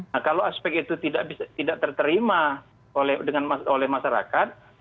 nah kalau aspek itu tidak terterima oleh masyarakat